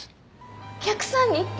お客さんにって。